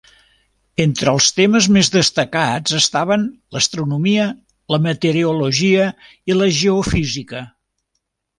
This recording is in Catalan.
Entre els temes més destacats estaven l’astronomia, la meteorologia i la geofísica.